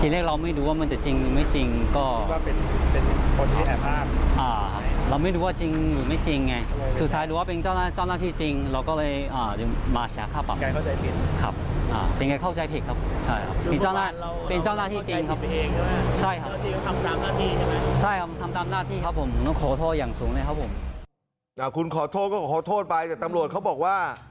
แล้วคุณคุณก็ก็ขอโทษไปจากตำรวจเขาบอกว่า